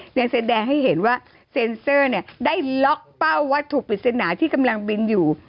ยังแสดงให้เห็นว่าเซ็นเซอร์ได้ล็อกเป้าวัตถุปริศนาที่กำลังบินอยู่